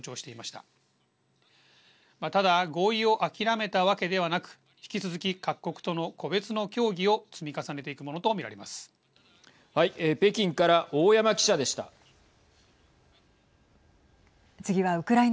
ただ、合意を諦めたわけではなく引き続き、各国との個別の協議を積み重ねていくものとはい。